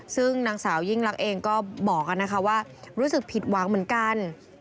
ซึ่งนางสาวยิ่งลักษณ์เองก็บอกนะคะว่ารู้สึกผิดหวังเหมือนกัน